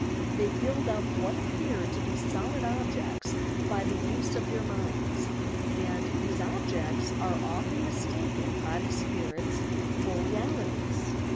They build up what appear to be solid objects by the use of their minds, and these objects are often mistaken by the spirits for realities.